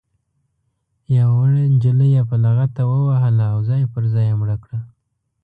یوه وړه نجلۍ یې په لغته ووهله او ځای پر ځای یې مړه کړه.